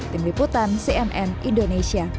ting liputan cnn indonesia